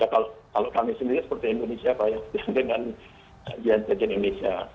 kalau kami sendiri seperti indonesia dengan adanya indonesia